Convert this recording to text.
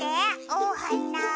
おはな！